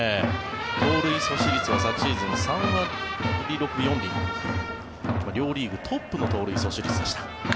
盗塁阻止率は昨シーズン３割６分４厘両リーグトップの盗塁阻止率でした。